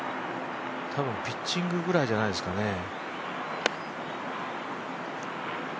多分ピッチングぐらいじゃないですかね。